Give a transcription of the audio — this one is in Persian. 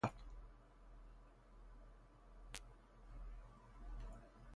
او روی صحت گفتههای خود پافشاری کرد.